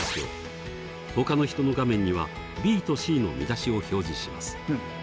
ほかの人の画面にはＢとＣの見出しを表示します。